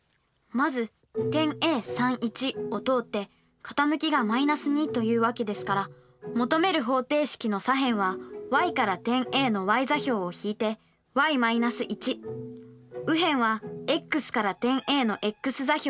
まず点Ａを通って傾きが−２というわけですから求める方程式の左辺はｙから点Ａのｙ座標を引いてｙ−１右辺はｘから点Ａのｘ座標を引いてｘ−３。